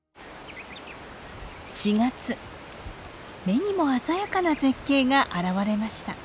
目にも鮮やかな絶景が現れました。